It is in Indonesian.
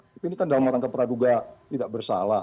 tapi ini kan dalam rangka praduga tidak bersalah